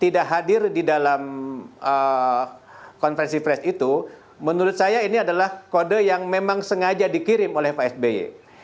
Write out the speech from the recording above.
tidak hadir di dalam konferensi pres itu menurut saya ini adalah kode yang memang sengaja dikirim oleh pak sby